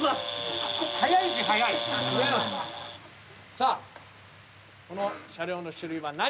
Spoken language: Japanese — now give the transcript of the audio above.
さあこの車両の種類は何？